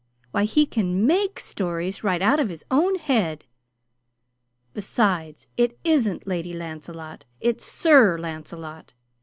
Why, he can MAKE stories right out of his own head! Besides, it isn't 'Lady Lancelot,' it's 'Sir Lancelot.'